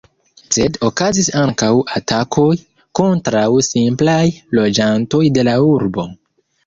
Sed okazis ankaŭ atakoj kontraŭ simplaj loĝantoj de la urbo.